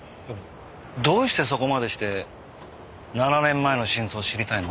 どうしてそこまでして７年前の真相を知りたいの？